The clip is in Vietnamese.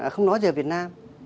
không nói về việt nam